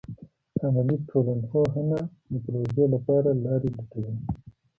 عملي ټولنپوهنه د پروژو لپاره لارې لټوي.